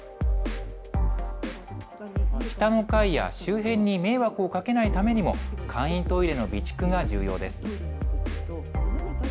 下の階や周辺に迷惑をかけないためにも簡易トイレの備蓄が重要です。